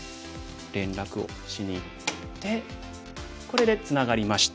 連絡をしにいってこれでツナがりました。